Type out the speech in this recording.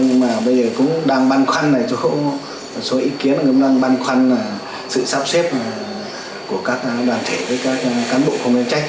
nhưng mà bây giờ cũng đang băn khoăn này số ý kiến cũng đang băn khoăn sự sắp xếp của các đoàn thể với các cán bộ không chuyên trách